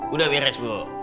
udah beres bu